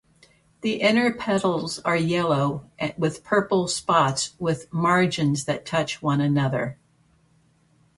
The inner petals are yellow with purple spots with margins that touch one another.